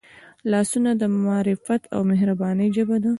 لاسونه د معرفت او مهربانۍ ژبه ده